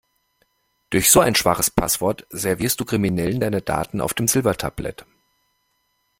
Durch so ein schwaches Passwort servierst du Kriminellen deine Daten auf dem Silbertablett.